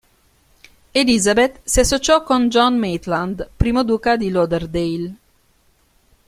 Elizabeth si associò con John Maitland, I duca di Lauderdale.